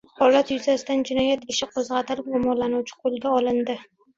Holat yuzasidan jinoyat ishi qo‘zg‘atilib, gumonlanuvchi qo‘lga olingan